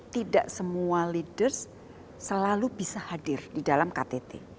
tidak semua leaders selalu bisa hadir di dalam ktt